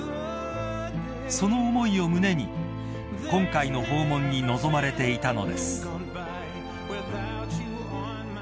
［その思いを胸に今回の訪問に臨まれていたのです］